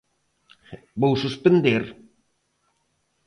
Vou suspender.